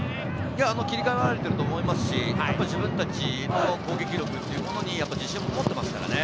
切り替えはできてると思いますし、自分たちの攻撃力っていうものに自信を持ってますからね。